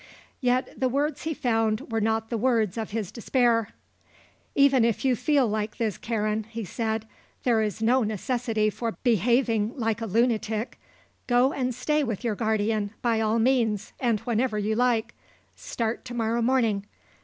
Yet the words he found were not the words of his despair. "Even if you feel like this, Karen," he said, "there is no necessity for behaving like a lunatic. Go and stay with your guardian, by all means, and whenever you like. Start to morrow morning.